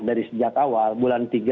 dari sejak awal bulan